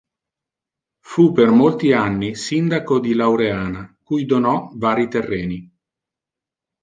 Fu per molti anni Sindaco di Laureana cui donò vari terreni.